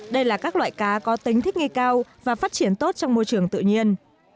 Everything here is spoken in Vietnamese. đây là các loài cá có tính thích nghề cao và phát triển tốt trong môi trường tự nhiên